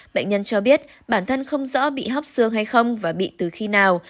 bệnh nhân cho biết bản thân không rõ bị hóc xương hay không và bị từ khi nào